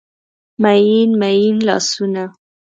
میین، میین لاسونه